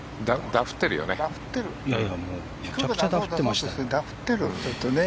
ダフってるよね。